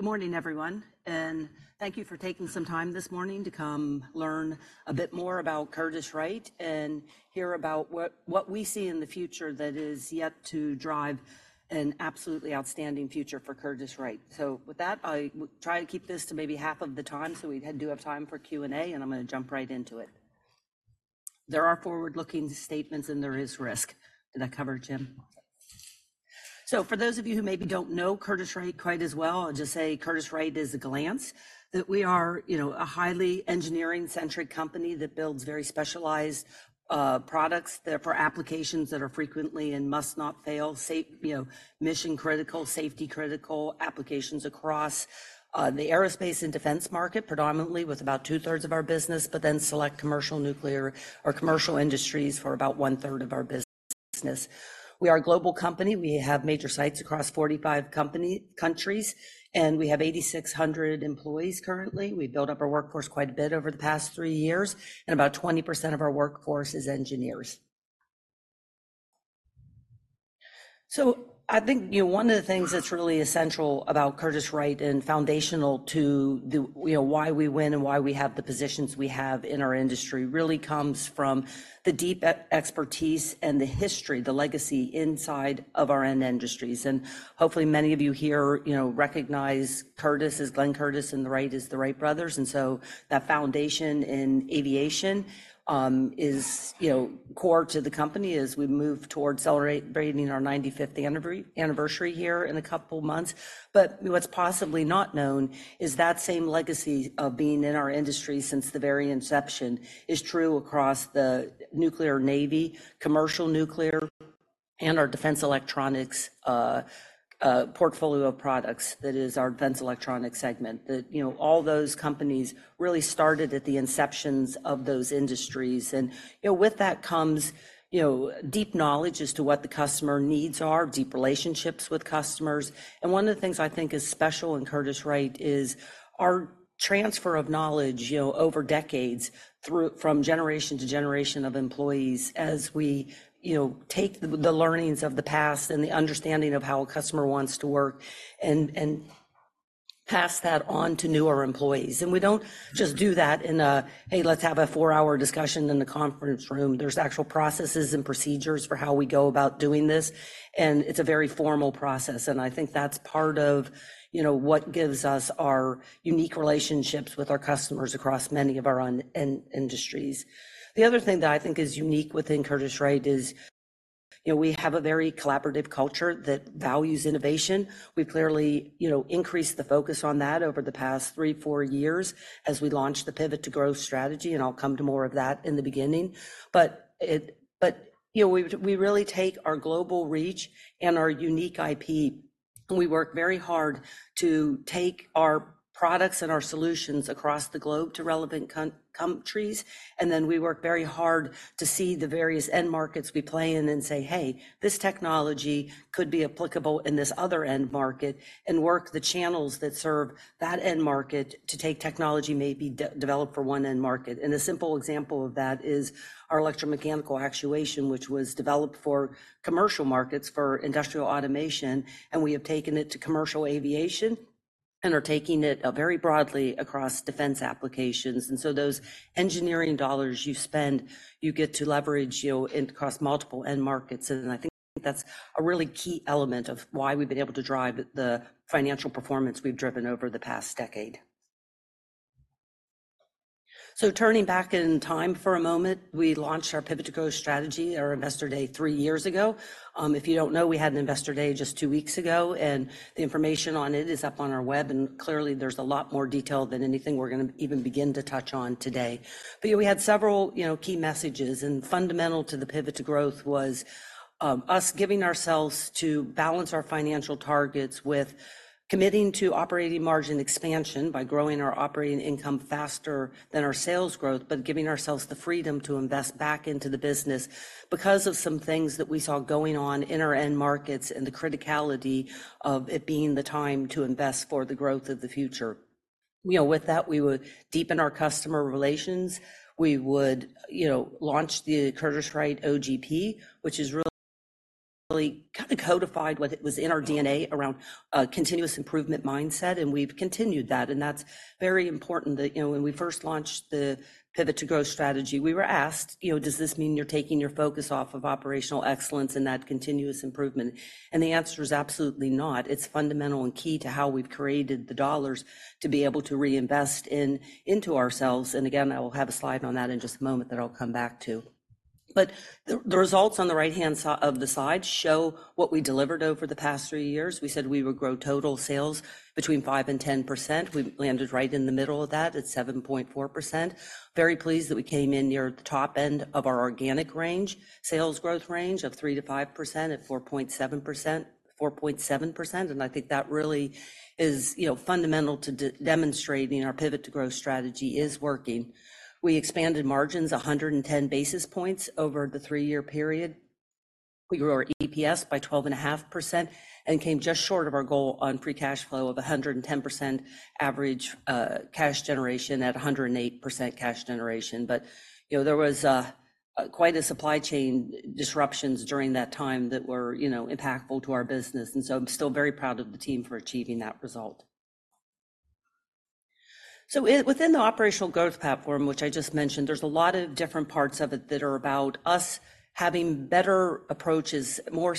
Good morning, everyone, and thank you for taking some time this morning to come learn a bit more about Curtiss-Wright and hear about what we see in the future that is yet to drive an absolutely outstanding future for Curtiss-Wright. With that, I will try to keep this to maybe half of the time, so we do have time for Q&A, and I'm gonna jump right into it. There are forward-looking statements, and there is risk. Did I cover, Jim? So for those of you who maybe don't know Curtiss-Wright quite as well, I'll just say at a glance that we are, you know, a highly engineering-centric company that builds very specialized products that are for applications that are frequently and must not fail, safe, you know, mission-critical, safety-critical applications across the aerospace and defense market, predominantly with about 2/3 of our business, but then select commercial, nuclear, or commercial industries for about 1/3 of our business. We are a global company. We have major sites across 45 countries, and we have 8,600 employees currently. We've built up our workforce quite a bit over the past three years, and about 20% of our workforce is engineers. So I think, you know, one of the things that's really essential about Curtiss-Wright and foundational to the, you know, why we win and why we have the positions we have in our industry, really comes from the deep expertise and the history, the legacy inside of our end industries. And hopefully, many of you here, you know, recognize Curtiss as Glenn Curtiss and the Wright as the Wright brothers. And so that foundation in aviation is, you know, core to the company as we move towards celebrating our 95th anniversary, anniversary year in a couple months. But what's possibly not known is that same legacy of being in our industry since the very inception is true across the Nuclear Navy, commercial nuclear, and our Defense Electronics portfolio of products, that is our Defense Electronics segment. That, you know, all those companies really started at the inceptions of those industries, and, you know, with that comes, you know, deep knowledge as to what the customer needs are, deep relationships with customers. One of the things I think is special in Curtiss-Wright is our transfer of knowledge, you know, over decades, through from generation to generation of employees, as we, you know, take the learnings of the past and the understanding of how a customer wants to work and pass that on to newer employees. We don't just do that in a, "Hey, let's have a four-hour discussion in the conference room." There's actual processes and procedures for how we go about doing this, and it's a very formal process, and I think that's part of, you know, what gives us our unique relationships with our customers across many of our end industries. The other thing that I think is unique within Curtiss-Wright is, you know, we have a very collaborative culture that values innovation. We've clearly, you know, increased the focus on that over the past three, four years as we launched the Pivot to Growth strategy, and I'll come to more of that in the beginning. But it... You know, we really take our global reach and our unique IP, and we work very hard to take our products and our solutions across the globe to relevant countries, and then we work very hard to see the various end markets we play in and say, "Hey, this technology could be applicable in this other end market," and work the channels that serve that end market to take technology maybe developed for one end market. And a simple example of that is our electromechanical actuation, which was developed for commercial markets, for industrial automation, and we have taken it to commercial aviation and are taking it very broadly across defense applications. So those engineering dollars you spend, you get to leverage, you know, across multiple end markets, and I think that's a really key element of why we've been able to drive the financial performance we've driven over the past decade. Turning back in time for a moment, we launched our Pivot to Growth strategy, our Investor Day, three years ago. If you don't know, we had an Investor Day just two weeks ago, and the information on it is up on our web, and clearly, there's a lot more detail than anything we're gonna even begin to touch on today. But, you know, we had several, you know, key messages, and fundamental to the Pivot to Growth was us giving ourselves to balance our financial targets with committing to operating margin expansion by growing our operating income faster than our sales growth, but giving ourselves the freedom to invest back into the business because of some things that we saw going on in our end markets and the criticality of it being the time to invest for the growth of the future. You know, with that, we would deepen our customer relations. We would, you know, launch the Curtiss-Wright OGP, which has really, really kind of codified what it was in our DNA around a continuous improvement mindset, and we've continued that, and that's very important that... You know, when we first launched the Pivot to Growth strategy, we were asked, "You know, does this mean you're taking your focus off of operational excellence and that continuous improvement?" And the answer is absolutely not. It's fundamental and key to how we've created the dollars to be able to reinvest in, into ourselves, and again, I will have a slide on that in just a moment that I'll come back to. But the results on the right-hand side of the slide show what we delivered over the past three years. We said we would grow total sales between 5% and 10%. We landed right in the middle of that at 7.4%. Very pleased that we came in near the top end of our organic range, sales growth range of 3%-5% at 4.7%, 4.7%, and I think that really is, you know, fundamental to demonstrating our Pivot to Growth strategy is working. We expanded margins 110 basis points over the three-year period. We grew our EPS by 12.5% and came just short of our goal on free cash flow of 110%, average, cash generation at 108% cash generation. But, you know, there was quite a supply chain disruptions during that time that were, you know, impactful to our business, and so I'm still very proud of the team for achieving that result. So, within the Operational Growth Platform, which I just mentioned, there's a lot of different parts of it that are about us having better approaches, more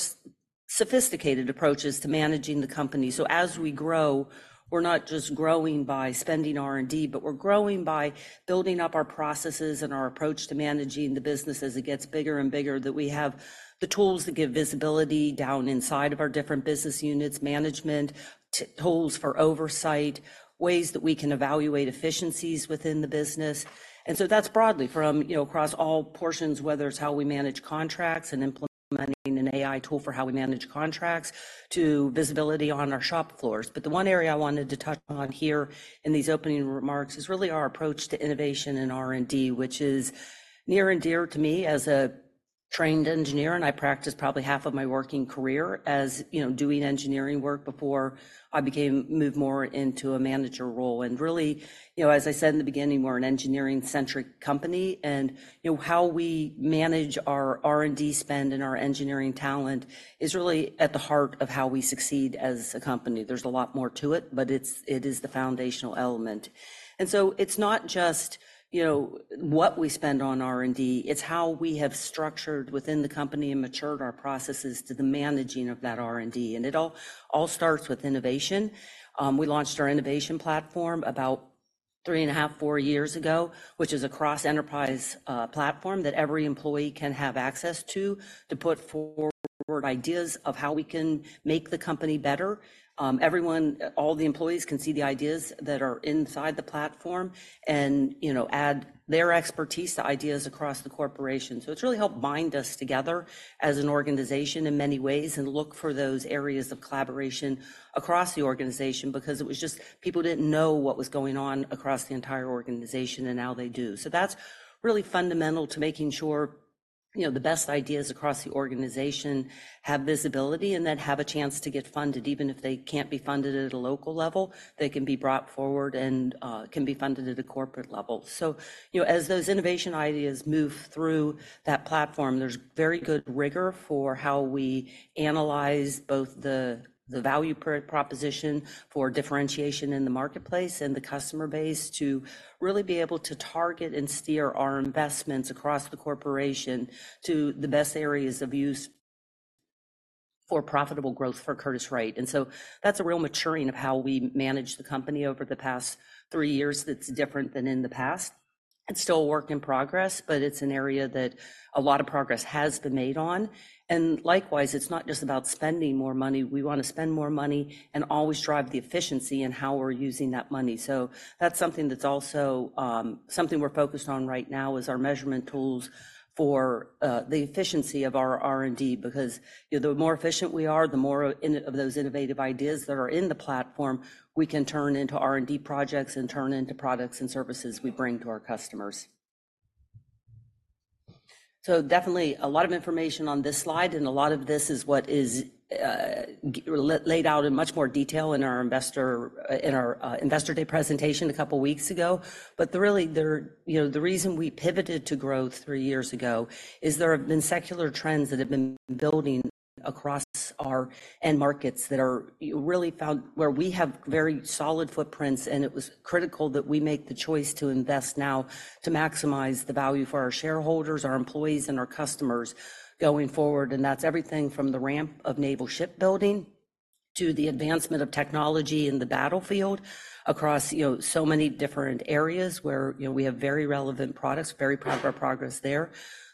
sophisticated approaches to managing the company. So as we grow, we're not just growing by spending R&D, but we're growing by building up our processes and our approach to managing the business as it gets bigger and bigger, that we have the tools that give visibility down inside of our different business units, management tools for oversight, ways that we can evaluate efficiencies within the business. And so that's broadly from, you know, across all portions, whether it's how we manage contracts and implementing an AI tool for how we manage contracts, to visibility on our shop floors. But the one area I wanted to touch on here in these opening remarks is really our approach to innovation and R&D, which is near and dear to me as a trained engineer, and I practiced probably half of my working career as, you know, doing engineering work before I moved more into a manager role. And really, you know, as I said in the beginning, we're an engineering-centric company, and, you know, how we manage our R&D spend and our engineering talent is really at the heart of how we succeed as a company. There's a lot more to it, but it's, it is the foundational element. And so it's not just, you know, what we spend on R&D, it's how we have structured within the company and matured our processes to the managing of that R&D, and it all, all starts with innovation. We launched our innovation platform about 3.5 to four years ago, which is a cross-enterprise platform that every employee can have access to, to put forward ideas of how we can make the company better. Everyone, all the employees can see the ideas that are inside the platform and, you know, add their expertise to ideas across the corporation. So it's really helped bind us together as an organization in many ways, and look for those areas of collaboration across the organization, because it was just... people didn't know what was going on across the entire organization, and now they do. So that's really fundamental to making sure, you know, the best ideas across the organization have visibility and then have a chance to get funded. Even if they can't be funded at a local level, they can be brought forward and can be funded at a corporate level. So, you know, as those innovation ideas move through that platform, there's very good rigor for how we analyze both the value proposition for differentiation in the marketplace and the customer base to really be able to target and steer our investments across the corporation to the best areas of use for profitable growth for Curtiss-Wright. And so that's a real maturing of how we managed the company over the past three years that's different than in the past. It's still a work in progress, but it's an area that a lot of progress has been made on. And likewise, it's not just about spending more money. We wanna spend more money and always drive the efficiency in how we're using that money. So that's something that's also, something we're focused on right now, is our measurement tools for, the efficiency of our R&D. Because, you know, the more efficient we are, the more of those innovative ideas that are in the platform we can turn into R&D projects and turn into products and services we bring to our customers. So definitely a lot of information on this slide, and a lot of this is what is, laid out in much more detail in our investor, in our, Investor Day presentation a couple weeks ago. But really, you know, the reason we pivoted to growth three years ago is there have been secular trends that have been building across our end markets that are, you know, really found where we have very solid footprints, and it was critical that we make the choice to invest now to maximize the value for our shareholders, our employees, and our customers going forward. And that's everything from the ramp of naval shipbuilding to the advancement of technology in the battlefield across, you know, so many different areas where, you know, we have very relevant products. Very proud of our progress there.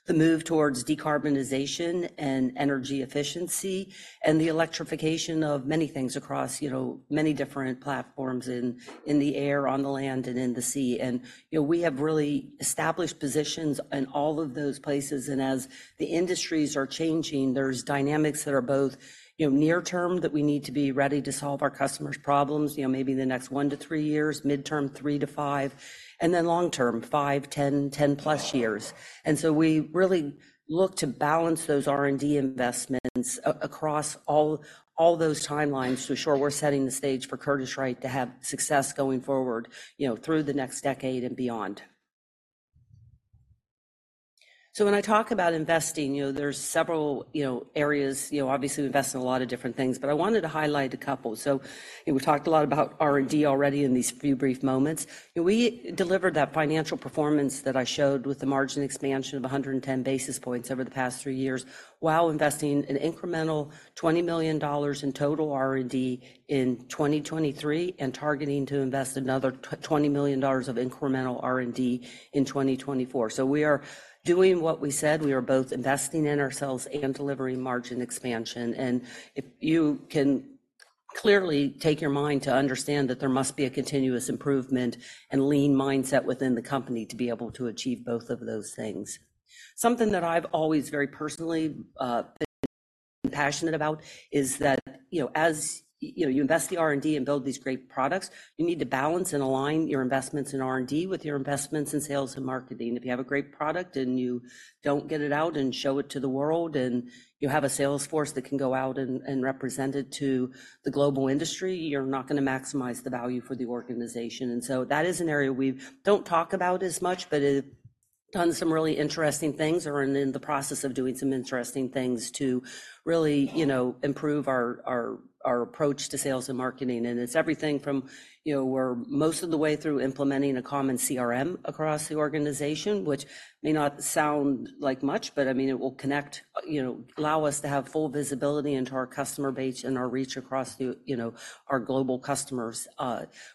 The move towards decarbonization and energy efficiency and the electrification of many things across, you know, many different platforms in the air, on the land, and in the sea. And, you know, we have really established positions in all of those places, and as the industries are changing, there's dynamics that are both, you know, near term, that we need to be ready to solve our customers' problems, you know, maybe in the next one to three years, midterm, three to five, and then long term, five, 10, 10+ years. And so we really look to balance those R&D investments across all those timelines to ensure we're setting the stage for Curtiss-Wright to have success going forward, you know, through the next decade and beyond. So when I talk about investing, you know, there's several, you know, areas. You know, obviously, we invest in a lot of different things, but I wanted to highlight a couple. So, you know, we talked a lot about R&D already in these few brief moments. We delivered that financial performance that I showed with the margin expansion of 110 basis points over the past three years, while investing an incremental $20 million in total R&D in 2023, and targeting to invest another $20 million of incremental R&D in 2024. So we are doing what we said. We are both investing in ourselves and delivering margin expansion. And if you can clearly take your mind to understand that there must be a continuous improvement and lean mindset within the company to be able to achieve both of those things. Something that I've always very personally been passionate about is that, you know, as, you know, you invest the R&D and build these great products, you need to balance and align your investments in R&D with your investments in sales and marketing. If you have a great product and you don't get it out and show it to the world, and you have a sales force that can go out and represent it to the global industry, you're not gonna maximize the value for the organization. And so that is an area we don't talk about as much, but we've done some really interesting things or are in the process of doing some interesting things to really, you know, improve our approach to sales and marketing. And it's everything from, you know, we're most of the way through implementing a common CRM across the organization, which may not sound like much, but I mean, it will connect, you know, allow us to have full visibility into our customer base and our reach across the, you know, our global customers.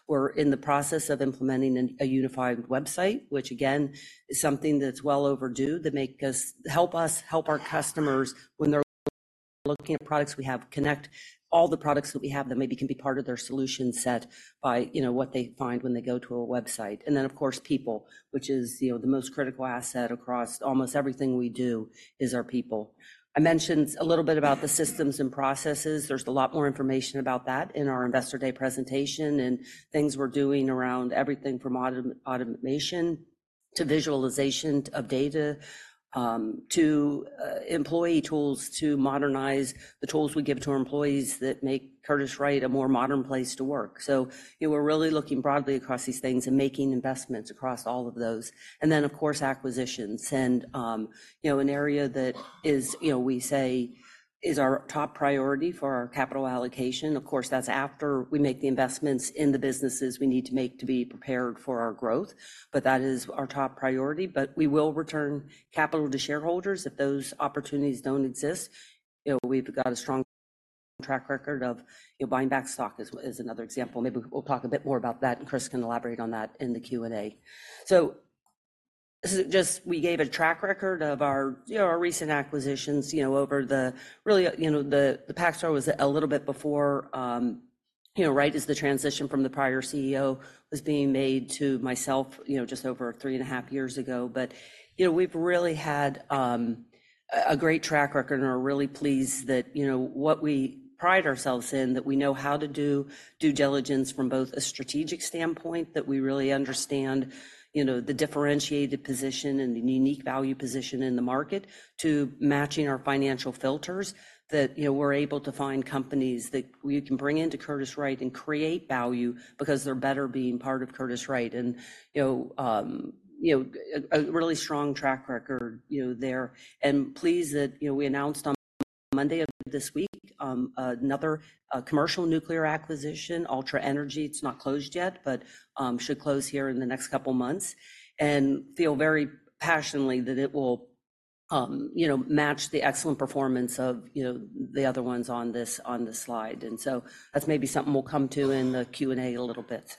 We're in the process of implementing a unified website, which again is something that's well overdue, that help us help our customers when they're looking at products we have, connect all the products that we have that maybe can be part of their solution set by, you know, what they find when they go to a website. And then, of course, people, which is, you know, the most critical asset across almost everything we do is our people. I mentioned a little bit about the systems and processes. There's a lot more information about that in our Investor Day presentation, and things we're doing around everything from automation to visualization of data, to employee tools, to modernize the tools we give to our employees that make Curtiss-Wright a more modern place to work. So we're really looking broadly across these things and making investments across all of those. Then, of course, acquisitions and, you know, an area that is, you know, we say is our top priority for our capital allocation. Of course, that's after we make the investments in the businesses we need to make to be prepared for our growth, but that is our top priority. But we will return capital to shareholders if those opportunities don't exist. You know, we've got a strong track record of, you know, buying back stock, another example. Maybe we'll talk a bit more about that, and Chris can elaborate on that in the Q&A. So this is just we gave a track record of our, you know, our recent acquisitions, you know, over the really, you know, the PacStar was a little bit before, you know, right as the transition from the prior CEO was being made to myself, you know, just over 3.5 years ago. But, you know, we've really had a great track record and are really pleased that, you know, what we pride ourselves in, that we know how to do due diligence from both a strategic standpoint, that we really understand, you know, the differentiated position and the unique value position in the market to matching our financial filters, that, you know, we're able to find companies that we can bring into Curtiss-Wright and create value because they're better being part of Curtiss-Wright. You know, a really strong track record there. Pleased that we announced on Monday of this week another commercial nuclear acquisition, Ultra Energy. It's not closed yet, but should close here in the next couple of months. Feel very passionately that it will, you know, match the excellent performance of, you know, the other ones on this slide. That's maybe something we'll come to in the Q&A a little bit.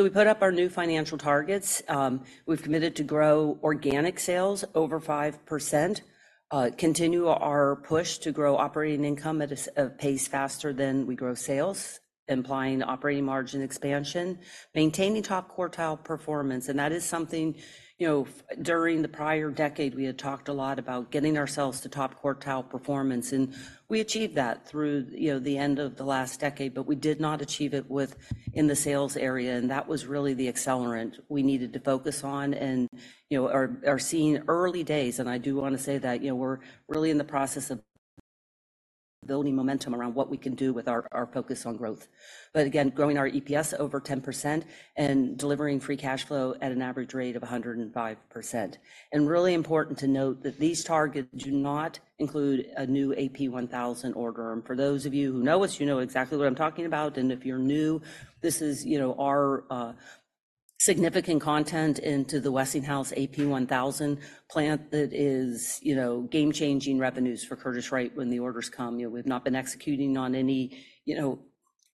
We put up our new financial targets. We've committed to grow organic sales over 5%, continue our push to grow operating income at a pace faster than we grow sales, implying operating margin expansion, maintaining top-quartile performance. That is something, you know, during the prior decade, we had talked a lot about getting ourselves to top-quartile performance, and we achieved that through, you know, the end of the last decade. But we did not achieve it within the sales area, and that was really the accelerant we needed to focus on and, you know, are seeing early days. And I do want to say that, you know, we're really in the process of building momentum around what we can do with our focus on growth. But again, growing our EPS over 10% and delivering free cash flow at an average rate of 105%. And really important to note that these targets do not include a new AP1000 order. And for those of you who know us, you know exactly what I'm talking about. If you're new, this is, you know, our significant content into the Westinghouse AP1000 plant that is, you know, game-changing revenues for Curtiss-Wright when the orders come. You know, we've not been executing on any, you know,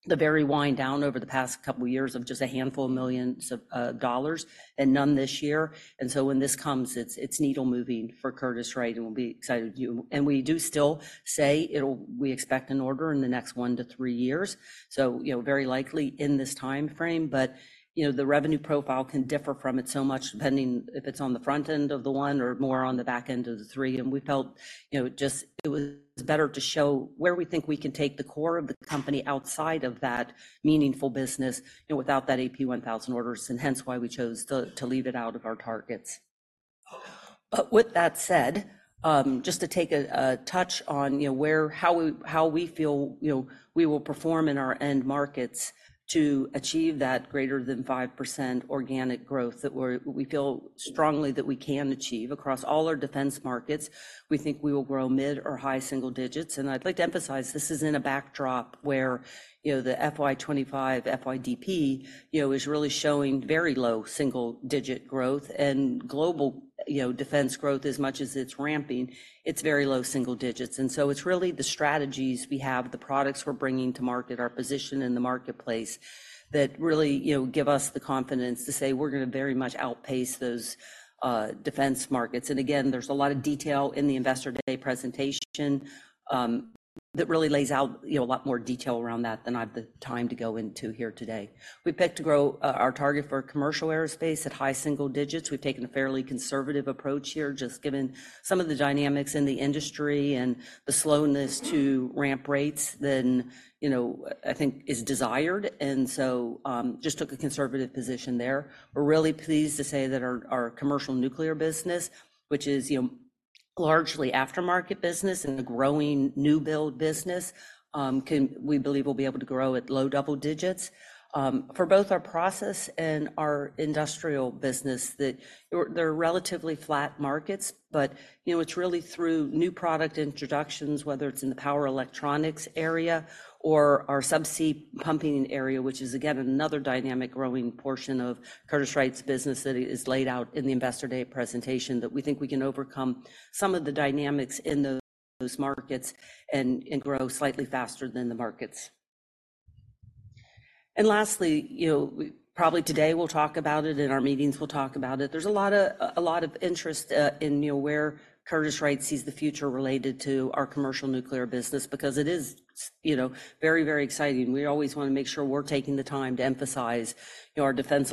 the very wind down over the past couple of years of just a handful of millions of dollars and none this year. And so when this comes, it's, it's needle moving for Curtiss-Wright, and we'll be excited. And we do still say it'll. We expect an order in the next one to three years. So, you know, very likely in this time frame, but, you know, the revenue profile can differ from it so much, depending if it's on the front end of the one or more on the back end of the three. We felt, you know, just it was better to show where we think we can take the core of the company outside of that meaningful business, you know, without that AP1000 orders, and hence why we chose to leave it out of our targets. But with that said, just to take a touch on, you know, where how we feel, you know, we will perform in our end markets to achieve that greater than 5% organic growth that we feel strongly that we can achieve across all our defense markets. We think we will grow mid or high single digits. And I'd like to emphasize, this is in a backdrop where, you know, the FY 2025 FYDP, you know, is really showing very low single-digit growth and global, you know, defense growth, as much as it's ramping, it's very low single digits. It's really the strategies we have, the products we're bringing to market, our position in the marketplace, that really, you know, give us the confidence to say we're gonna very much outpace those defense markets. And again, there's a lot of detail in the Investor Day presentation that really lays out, you know, a lot more detail around that than I have the time to go into here today. We picked to grow our target for commercial aerospace at high single digits. We've taken a fairly conservative approach here, just given some of the dynamics in the industry and the slowness to ramp rates than, you know, I think is desired. And so just took a conservative position there. We're really pleased to say that our commercial nuclear business, which is, you know-... largely aftermarket business and the growing new build business can, we believe, will be able to grow at low double digits. For both our process and our industrial business, that they're relatively flat markets, but you know, it's really through new product introductions, whether it's in the power electronics area or our subsea pumping area, which is, again, another dynamic growing portion of Curtiss-Wright's business that is laid out in the Investor Day presentation, that we think we can overcome some of the dynamics in those markets and grow slightly faster than the markets. And lastly, you know, probably today we'll talk about it, in our meetings we'll talk about it. There's a lot of interest in, you know, where Curtiss-Wright sees the future related to our commercial nuclear business because it is, you know, very, very exciting. We always wanna make sure we're taking the time to emphasize, you know, our Defense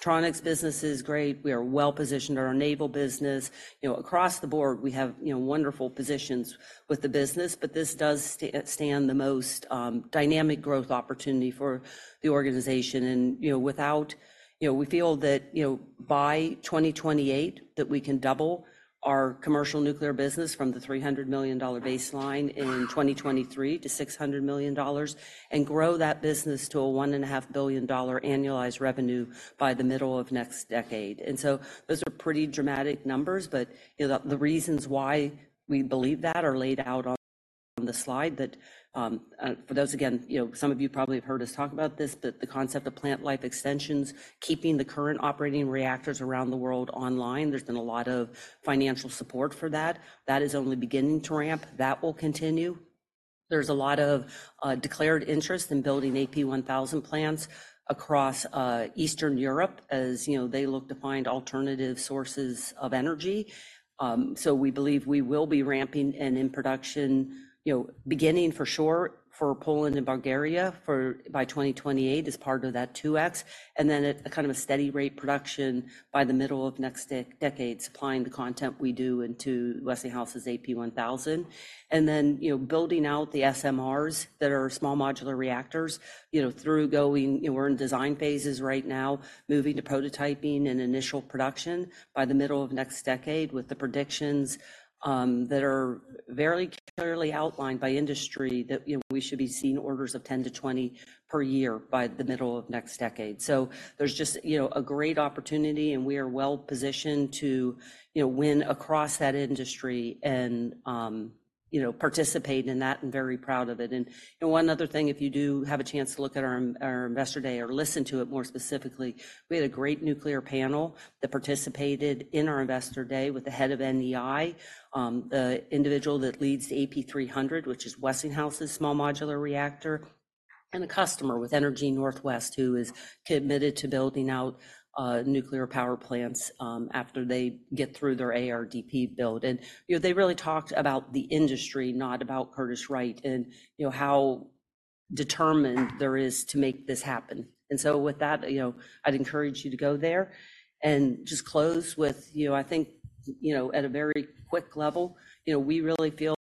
Electronics business is great. We are well-positioned in our naval business. You know, across the board, we have, you know, wonderful positions with the business, but this does stand the most dynamic growth opportunity for the organization. And, you know, we feel that, you know, by 2028, that we can double our commercial nuclear business from the $300 million baseline in 2023 to $600 million, and grow that business to a $1.5 billion annualized revenue by the middle of next decade. And so those are pretty dramatic numbers, but, you know, the reasons why we believe that are laid out on the slide. That, for those, again, you know, some of you probably have heard us talk about this, but the concept of plant life extensions, keeping the current operating reactors around the world online, there's been a lot of financial support for that. That is only beginning to ramp. That will continue. There's a lot of declared interest in building AP1000 plants across Eastern Europe, as, you know, they look to find alternative sources of energy. So we believe we will be ramping and in production, you know, beginning for sure, for Poland and Bulgaria, by 2028 as part of that 2X, and then at a kind of a steady rate production by the middle of next decade, supplying the content we do into Westinghouse's AP1000. And then, you know, building out the SMRs, that are small modular reactors, you know, through going, you know, we're in design phases right now, moving to prototyping and initial production by the middle of next decade, with the predictions, that are very clearly outlined by industry that, you know, we should be seeing orders of 10-20 per year by the middle of next decade. So there's just, you know, a great opportunity, and we are well-positioned to, you know, win across that industry and, you know, participate in that and very proud of it. And one other thing, if you do have a chance to look at our Investor Day or listen to it more specifically, we had a great nuclear panel that participated in our Investor Day with the head of NEI, the individual that leads AP300, which is Westinghouse's small modular reactor, and a customer with Energy Northwest, who is committed to building out nuclear power plants after they get through their ARDP build. And, you know, they really talked about the industry, not about Curtiss-Wright, and, you know, how determined there is to make this happen. And so with that, you know, I'd encourage you to go there and just close with, you know, I think, you know, at a very quick level, you know, we really feel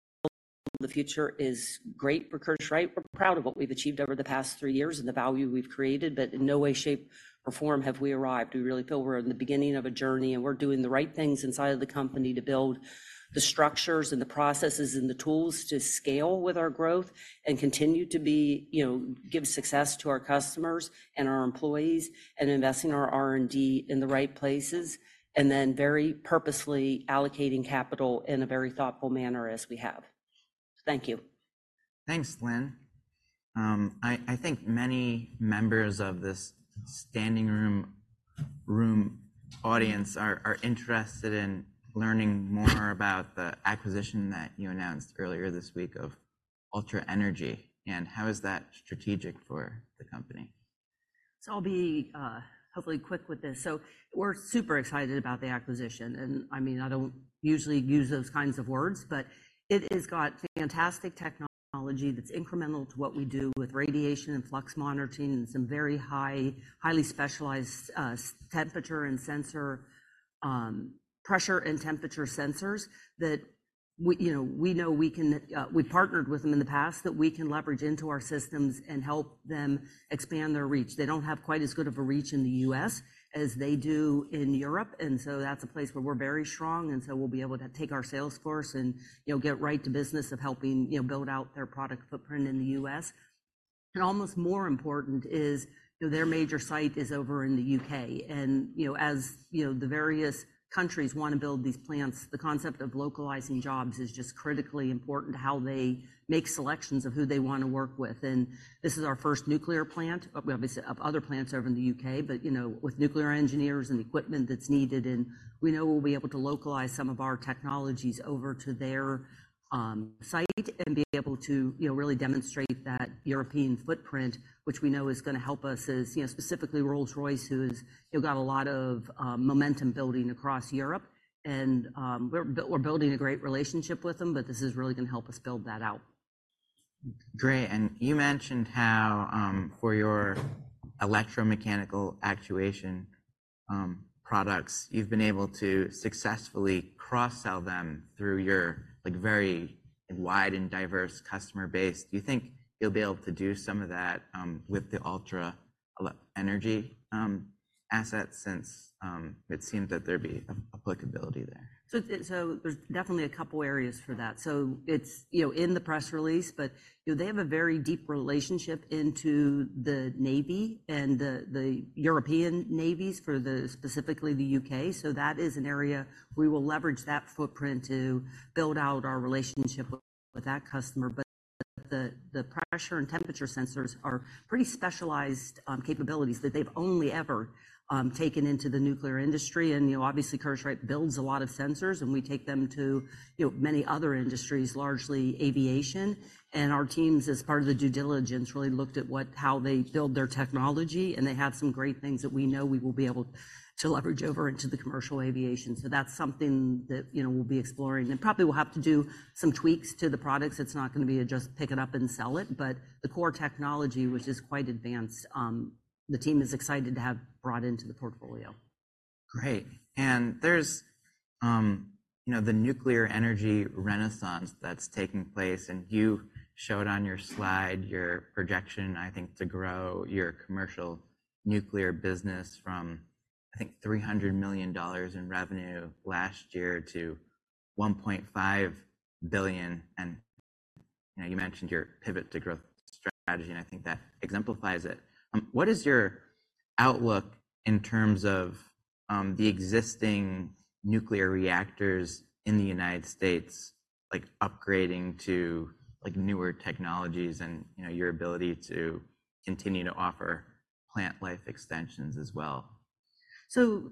the future is great for Curtiss-Wright. We're proud of what we've achieved over the past three years and the value we've created, but in no way, shape, or form have we arrived. We really feel we're in the beginning of a journey, and we're doing the right things inside of the company to build the structures and the processes and the tools to scale with our growth and continue to be, you know, give success to our customers and our employees and investing our R&D in the right places, and then very purposely allocating capital in a very thoughtful manner as we have. Thank you. Thanks, Lynn. I think many members of this standing-room-only audience are interested in learning more about the acquisition that you announced earlier this week of Ultra Energy, and how is that strategic for the company? So I'll be hopefully quick with this. So we're super excited about the acquisition, and, I mean, I don't usually use those kinds of words, but it has got fantastic technology that's incremental to what we do with radiation and flux monitoring and some very high, highly specialized, temperature and sensor, pressure and temperature sensors that we, you know, we know we can, we partnered with them in the past, that we can leverage into our systems and help them expand their reach. They don't have quite as good of a reach in the U.S. as they do in Europe, and so that's a place where we're very strong, and so we'll be able to take our sales force and, you know, get right to business of helping, you know, build out their product footprint in the U.S. And almost more important is, you know, their major site is over in the U.K., and, you know, as, you know, the various countries want to build these plants, the concept of localizing jobs is just critically important to how they make selections of who they want to work with. And this is our first nuclear plant, but we obviously have other plants over in the U.K., but, you know, with nuclear engineers and equipment that's needed in, we know we'll be able to localize some of our technologies over to their site and be able to, you know, really demonstrate that European footprint, which we know is gonna help us as, you know, specifically Rolls-Royce, who's, you know, got a lot of momentum building across Europe, and we're building a great relationship with them, but this is really gonna help us build that out. Great. And you mentioned how, for your electromechanical actuation products, you've been able to successfully cross-sell them through your, like, very wide and diverse customer base. Do you think you'll be able to do some of that with the Ultra Energy asset since it seems that there'd be applicability there. So, there's definitely a couple areas for that. So it's, you know, in the press release, but, you know, they have a very deep relationship into the Navy and the European navies for, specifically the U.K.. So that is an area we will leverage that footprint to build out our relationship with that customer. But the pressure and temperature sensors are pretty specialized capabilities that they've only ever taken into the nuclear industry. And, you know, obviously, Curtiss-Wright builds a lot of sensors, and we take them to, you know, many other industries, largely aviation. And our teams, as part of the due diligence, really looked at how they build their technology, and they have some great things that we know we will be able to leverage over into the commercial aviation. That's something that, you know, we'll be exploring, and probably we'll have to do some tweaks to the products. It's not going to be a just pick it up and sell it, but the core technology, which is quite advanced, the team is excited to have brought into the portfolio. Great. And there's, you know, the nuclear energy renaissance that's taking place, and you showed on your slide your projection, I think, to grow your commercial nuclear business from, I think, $300 million in revenue last year to $1.5 billion, and, you know, you mentioned your pivot to growth strategy, and I think that exemplifies it. What is your outlook in terms of, the existing nuclear reactors in the United States, like upgrading to, like, newer technologies and, you know, your ability to continue to offer plant life extensions as well? So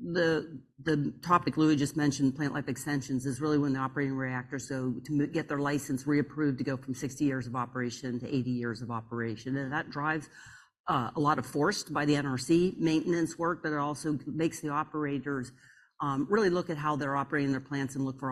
the topic Louis just mentioned, plant life extensions, is really when the operating reactor, so to get their license reapproved to go from 60 years of operation to 80 years of operation. And that drives a lot of force by the NRC maintenance work, but it also makes the operators really look at how they're operating their plants and look for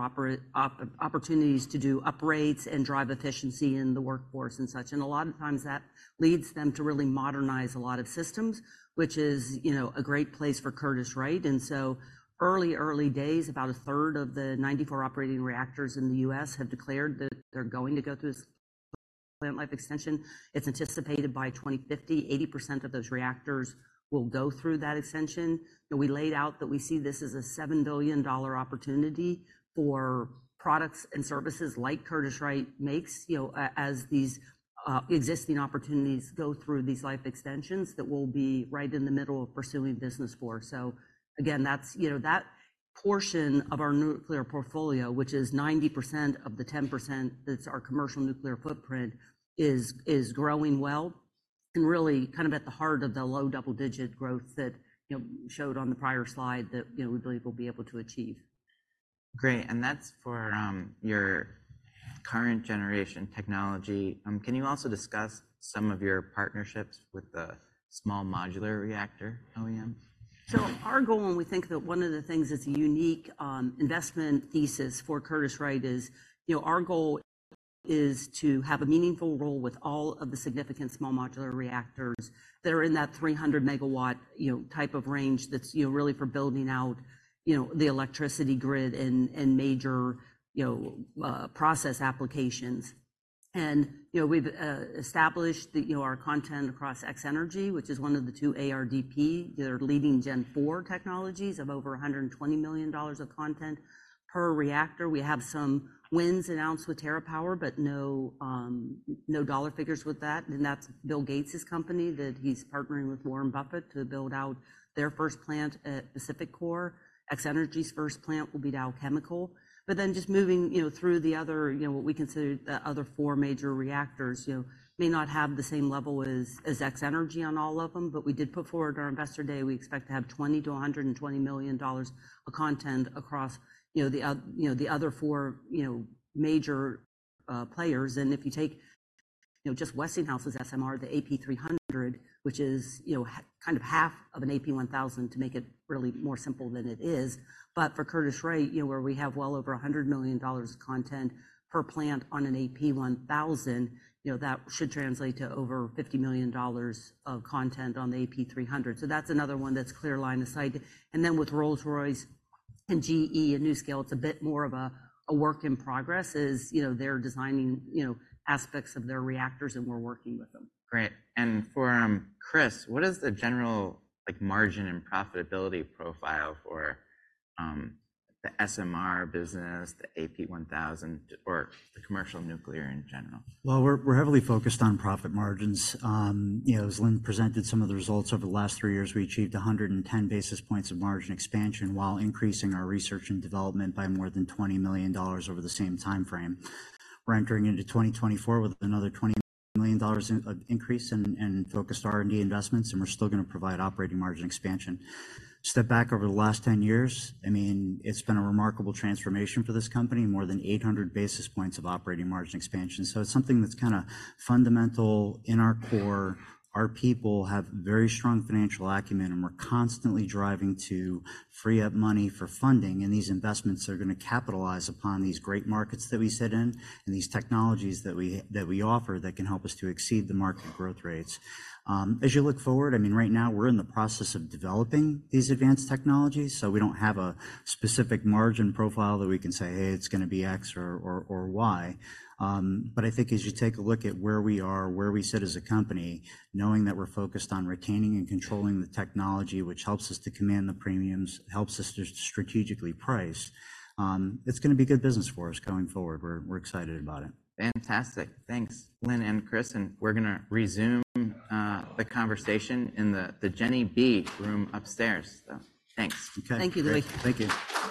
opportunities to do upgrades and drive efficiency in the workforce and such. And a lot of times that leads them to really modernize a lot of systems, which is, you know, a great place for Curtiss-Wright. And so early, early days, about a third of the 94 operating reactors in the U.S. have declared that they're going to go through this plant life extension. It's anticipated by 2050, 80% of those reactors will go through that extension. And we laid out that we see this as a $7 billion opportunity for products and services like Curtiss-Wright makes, you know, a- as these existing opportunities go through these life extensions that we'll be right in the middle of pursuing business for. So again, that's, you know, that portion of our nuclear portfolio, which is 90% of the 10%, that's our commercial nuclear footprint, is growing well and really kind of at the heart of the low double-digit growth that, you know, showed on the prior slide that, you know, we believe we'll be able to achieve. Great, and that's for your current generation technology. Can you also discuss some of your partnerships with the small modular reactor OEM? So our goal, and we think that one of the things that's a unique investment thesis for Curtiss-Wright is, you know, our goal is to have a meaningful role with all of the significant small modular reactors that are in that 300 MW, you know, type of range that's, you know, really for building out, you know, the electricity grid and major, you know, process applications. And, you know, we've established that, you know, our content across X-energy, which is one of the two ARDP, their leading Gen IV technologies, of over $120 million of content per reactor. We have some wins announced with TerraPower, but no dollar figures with that. And that's Bill Gates' company, that he's partnering with Warren Buffett to build out their first plant at PacifiCorp. X-energy's first plant will be Dow Chemical. But then just moving, you know, through the other, you know, what we consider the other four major reactors, you know, may not have the same level as, as X-energy on all of them, but we did put forward our Investor Day. We expect to have $20 million-$120 million of content across, you know, the other, you know, the other four, you know, major players. And if you take, you know, just Westinghouse's SMR, the AP300, which is, you know, kind of half of an AP1000 to make it really more simple than it is. But for Curtiss-Wright, you know, where we have well over $100 million of content per plant on an AP1000, you know, that should translate to over $50 million of content on the AP300. So that's another one that's clear line of sight. And then with Rolls-Royce and GE and NuScale, it's a bit more of a work in progress, as, you know, they're designing, you know, aspects of their reactors, and we're working with them. Great. For Chris, what is the general, like, margin and profitability profile for the SMR business, the AP1000, or the commercial nuclear in general? Well, we're heavily focused on profit margins. You know, as Lynn presented some of the results over the last three years, we achieved 110 basis points of margin expansion while increasing our research and development by more than $20 million over the same time frame. We're entering into 2024 with another $20 million in increase in focused R&D investments, and we're still going to provide operating margin expansion. Step back over the last 10 years, I mean, it's been a remarkable transformation for this company, more than 800 basis points of operating margin expansion. So it's something that's kind of fundamental in our core. Our people have very strong financial acumen, and we're constantly driving to free up money for funding, and these investments are going to capitalize upon these great markets that we sit in and these technologies that we offer that can help us to exceed the market growth rates. As you look forward, I mean, right now we're in the process of developing these advanced technologies, so we don't have a specific margin profile that we can say, "Hey, it's going to be X or Y." But I think as you take a look at where we are, where we sit as a company, knowing that we're focused on retaining and controlling the technology, which helps us to command the premiums, helps us to strategically price, it's going to be good business for us going forward. We're excited about it. Fantastic. Thanks, Lynn and Chris, and we're going to resume the conversation in the Ghiberti Room upstairs. So thanks. Okay. Thank you, Louis. Thank you.